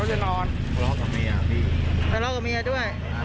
กับเบียบกับก่อนแม่ปุ๊บเนี่ยพี่กลับเหรอกับเบียบด้วย